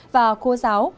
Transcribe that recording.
và khô giáo